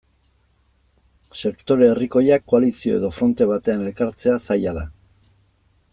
Sektore herrikoiak koalizio edo fronte batean elkartzea zaila da.